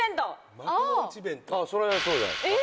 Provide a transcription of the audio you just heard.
それそうじゃないですか。